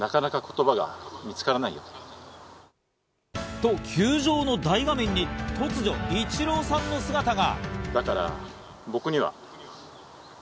と、球場の大画面に突如、イチローさんの姿が。